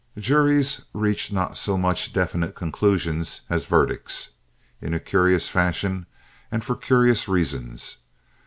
Juries reach not so much definite conclusions as verdicts, in a curious fashion and for curious reasons.